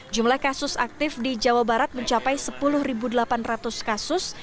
jumlah kasus aktif di jawa barat mencapai sepuluh delapan ratus kasus